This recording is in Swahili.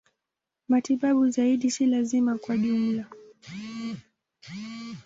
Matibabu zaidi si lazima kwa ujumla.